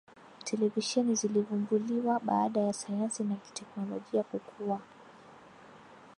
televisheni zilivumbuliwa baada ya sayansi na teknolojia kukua